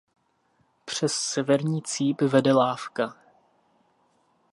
Přes severní cíp vede lávka.